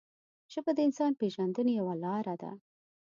ژبه د انسان د پېژندنې یوه لاره ده